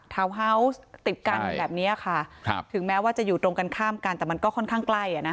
ติดกันแบบนี้ค่ะครับถึงแม้ว่าจะอยู่ตรงกันข้ามกันแต่มันก็ค่อนข้างใกล้อ่ะน่ะ